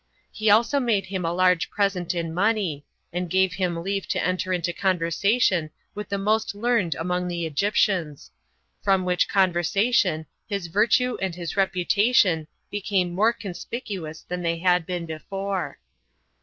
He also made him a large present in money, and gave him leave to enter into conversation with the most learned among the Egyptians; from which conversation his virtue and his reputation became more conspicuous than they had been before.